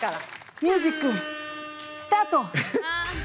ミュージックスタート！